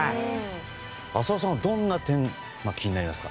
浅尾さんはどんな点が気になりますか？